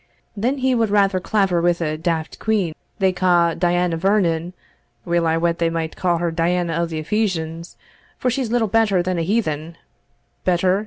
Then he wad rather claver wi' a daft quean they ca' Diana Vernon (weel I wet they might ca' her Diana of the Ephesians, for she's little better than a heathen better?